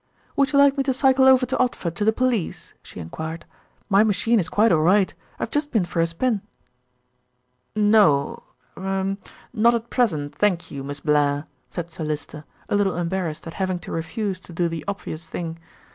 "Would you like me to cycle over to Odford to the police?" she enquired. "My machine is quite all right. I have just been for a spin." "No er not at present, thank you, Miss Blair," said Sir Lyster, a little embarrassed at having to refuse to do the obvious thing.